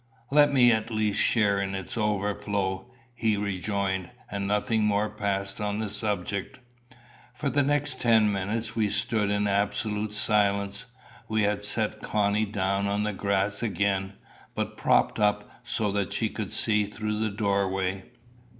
"Let me at least share in its overflow," he rejoined, and nothing more passed on the subject. For the next ten minutes we stood in absolute silence. We had set Connie down on the grass again, but propped up so that she could see through the doorway.